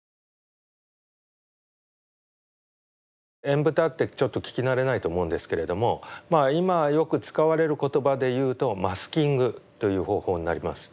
「縁蓋」ってちょっと聞き慣れないと思うんですけれども今よく使われる言葉でいうとマスキングという方法になります。